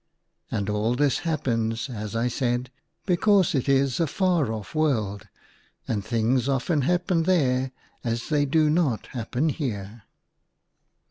And all this happens, as I said, because it is a far off world, and things often happen there as they do not happen here.